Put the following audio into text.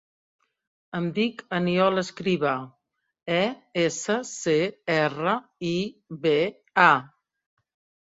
Em dic Aniol Escriba: e, essa, ce, erra, i, be, a.